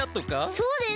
そうです！